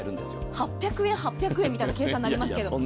８００円、８００円みたいな計算になりますけれども。